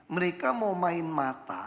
mereka mau main mata